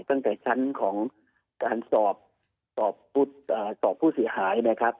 ตั้งแต่ชั้นของการสอบผู้เสียหายนะครับ